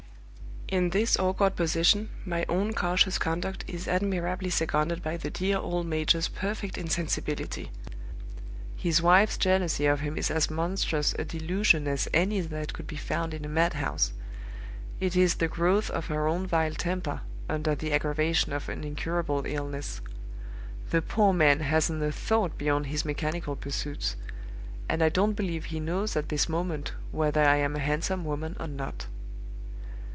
"In this awkward position, my own cautious conduct is admirably seconded by the dear old major's perfect insensibility. His wife's jealousy of him is as monstrous a delusion as any that could be found in a mad house; it is the growth of her own vile temper, under the aggravation of an incurable illness. The poor man hasn't a thought beyond his mechanical pursuits; and I don't believe he knows at this moment whether I am a handsome woman or not.